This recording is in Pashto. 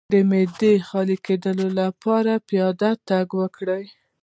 د معدې د خالي کیدو لپاره پیاده تګ وکړئ